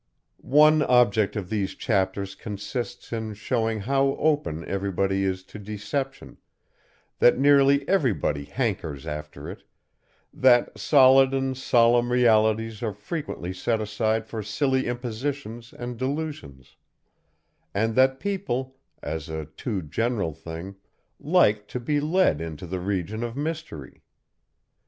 One object of these chapters consists in showing how open everybody is to deception, that nearly everybody "hankers" after it, that solid and solemn realities are frequently set aside for silly impositions and delusions, and that people, as a too general thing, like to be led into the region of mystery.